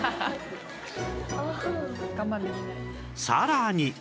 さらに